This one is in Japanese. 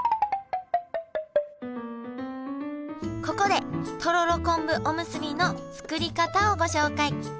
ここでとろろ昆布おむすびの作り方をご紹介。